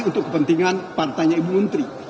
untuk kepentingan partainya ibu menteri